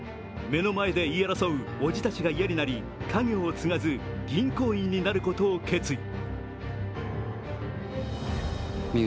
目の前で言い争うおじたちが嫌になり家業を継がず、銀行員になることを決意。